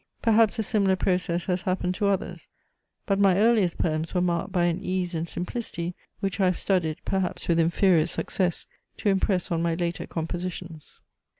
Perhaps a similar process has happened to others; but my earliest poems were marked by an ease and simplicity, which I have studied, perhaps with inferior success, to impress on my later compositions.